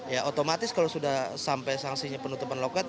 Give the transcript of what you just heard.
ya otomatis kalau sudah sampai sanksinya penutupan loket